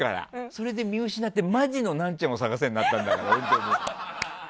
それで見失ってマジのナンチャンを探せになったんだから。